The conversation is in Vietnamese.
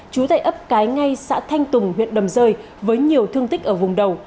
chú tại ấp cái ngay xã thanh tùng huyện đầm rơi với nhiều thương tích ở vùng đầu